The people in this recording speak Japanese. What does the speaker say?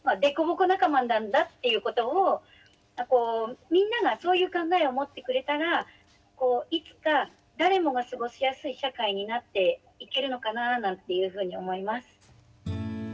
「凸凹仲間」なんだということをみんながそういう考えを持ってくれたらこういつか誰もが過ごしやすい社会になっていけるのかななんていうふうに思います。